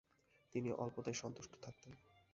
তিনি অল্পতেই সন্তুষ্ট থাকতেন।